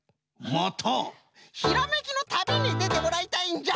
またひらめきの旅にでてもらいたいんじゃ！